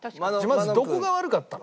まずどこが悪かったの？